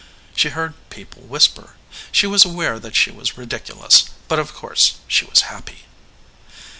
She heard people whisper. She was aware that she was ridiculous, but of course she was happy.